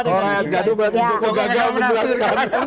kalau rakyat gaduh berarti joko gagal menjelaskan